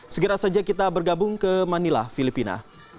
segera saja kita bergabung ke manila filipina